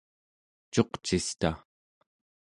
cuqcista